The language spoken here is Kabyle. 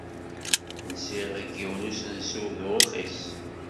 Nsiɣ deg yiwen n usensu d urxis.